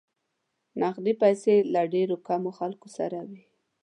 نقدې پیسې له ډېرو کمو خلکو سره وې.